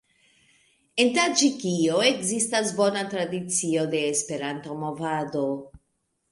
En Taĝikio ekzistas bona tradicio de Esperanto-movado.